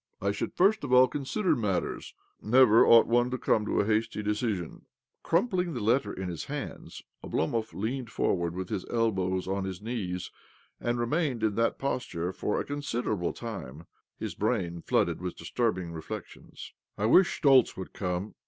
"" I should first of all consider matters. Never ought one to come to a hasty decision." Crumpling the letter in his hands, Oblomov leaned forward with his elbows on his knees, and remained in that posture for a considerable time— his brain flooded with disturbing reflections. " I wish Schtoltz would come